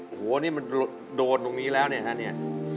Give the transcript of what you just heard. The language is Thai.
โอ้โหโดดตรงนี้แล้วเนี่ยฮะ